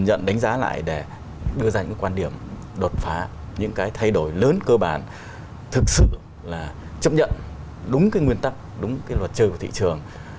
nhận đánh giá lại để đưa ra những quan điểm đột phá những cái thay đổi lớn cơ bản thực sự là chấp nhận đúng cái nguyên tắc đúng cái luật trời của thị trường